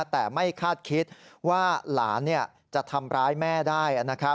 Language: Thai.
แต่ไม่คาดคิดว่าหลานจะทำร้ายแม่ได้